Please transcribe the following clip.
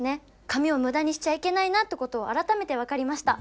紙をむだにしちゃいけないなってことを改めて分かりました。